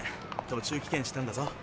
途中棄権したんだぞ。